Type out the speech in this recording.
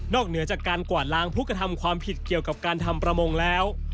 เหนือจากการกวาดล้างผู้กระทำความผิดเกี่ยวกับการทำประมงแล้ว